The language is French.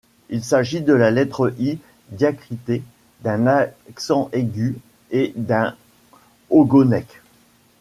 Il s’agit de la lettre I diacritée d’un accent aigu et d’un ogonek.